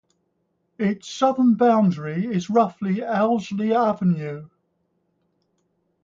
Its southern boundary is roughly Owsley Avenue.